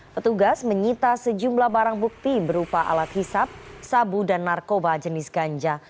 petugas menyita sejumlah barang bukti berupa alat hisap sabu dan narkoba jenis ganja